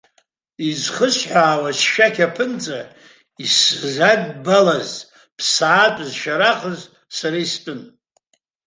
Изсыхҳәаауа, сшәақь аԥынҵа исзадбалаз, ԥсаатәыз, шәарахыз сара истәын.